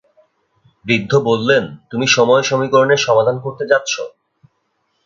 বৃদ্ধ বললেন, তুমি সময় সমীকরণের সমাধান করতে যাচ্ছ?